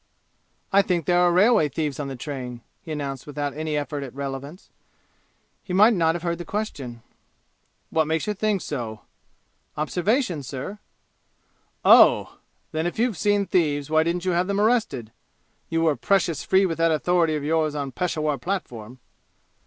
"I think there are railway thieves on the train," he announced without any effort at relevance. He might not have heard the question. "What makes you think so?" "Observation, sir." "Oh! Then if you've seen thieves, why didn't you have 'em arrested? You were precious free with that authority of yours on Peshawur platform!"